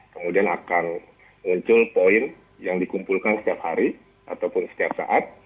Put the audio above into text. kemudian akan muncul poin yang dikumpulkan setiap hari ataupun setiap saat